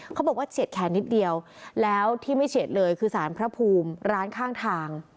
เขาบอกว่าเฉียดแขนนิดเดียวแล้วที่ไม่เฉียดเลยคือสารพระภูมิร้านข้างทาง